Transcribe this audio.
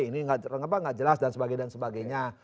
ini enggak jelas dan sebagainya dan sebagainya